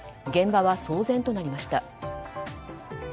現場は騒然となりました。